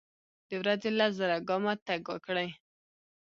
د ورځي لس زره ګامه تګ وکړئ.